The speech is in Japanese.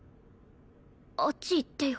あっち行ってよ。